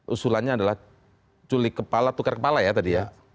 usulannya adalah culik kepala tukar kepala ya tadi ya